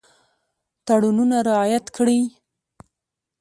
تړونونه رعایت کړي.